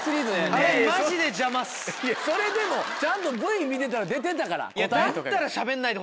それでもちゃんとＶＴＲ見てたら出てたから答え。